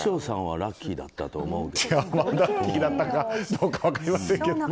ラッキーだったかどうかは分かりませんが。